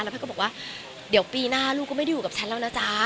แพทย์ก็บอกว่าเดี๋ยวปีหน้าลูกก็ไม่ได้อยู่กับฉันแล้วนะจ๊ะ